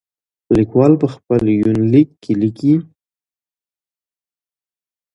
ليکوال په خپل يونليک کې ليکي.